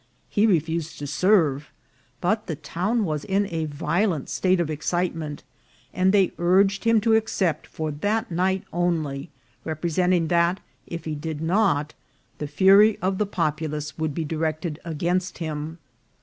He refused to serve ; but the town was in a violent state of excitement, and they urged him to accept for that night only, representing that if he did not the fury of the populace would be di rected against him.